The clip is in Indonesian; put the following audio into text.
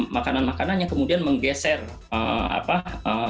makanan makanan yang kemudian menggeser kue kue pribumi ya